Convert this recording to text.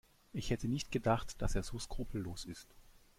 Ich hätte nicht gedacht, dass er so skrupellos ist.